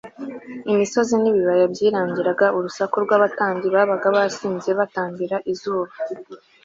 Imisozi nibibaya byirangiraga urusaku rwabatambyi babaga basinze batambiraga izuba